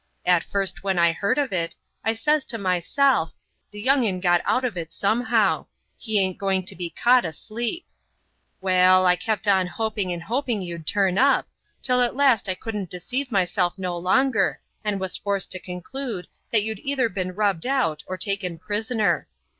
At first, when I heard of it, I says to myself, 'The young un got out of it somehow. He aint going to be caught asleep.' Waal, I kept on hoping and hoping you'd turn up, till at last I couldn't deceive myself no longer and was forced to conclude that you'd either been rubbed out or taken prisoner.